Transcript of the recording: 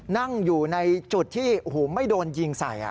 นั่งอยู่ในจุดที่ไม่โดนยิงใส่